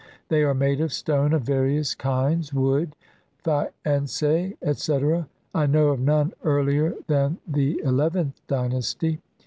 They are made of stone of various kinds, wood, faience, etc.; I know of none earlier than the Xlth dynasty.